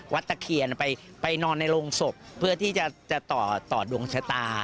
ตะเคียนไปนอนในโรงศพเพื่อที่จะต่อต่อดวงชะตา